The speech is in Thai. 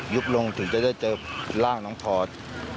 ยุบลงถึงจะได้เจอร่างน้องพอร์ต